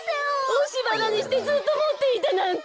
おしばなにしてずっともっていたなんて！